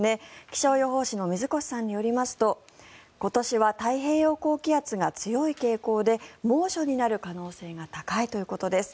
気象予報士の水越さんによりますと今年は太平洋高気圧が強い傾向で猛暑になる可能性が高いということです。